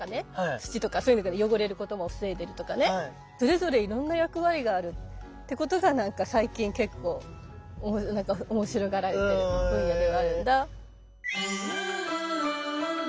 土とかそういう意味では汚れることも防いでるとかねそれぞれいろんな役割があるってことが最近結構おもしろがられてる分野ではあるんだ。